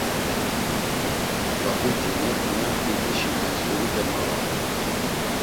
Zabit̆i neǩna ǩitişi memtsxurite norau.